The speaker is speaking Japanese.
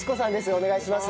お願いします。